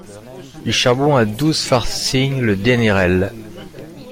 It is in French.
Du charbon à douze farthings le dénerel!